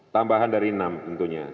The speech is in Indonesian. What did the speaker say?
tambahan dari enam tentunya